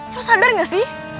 lo sadar gak sih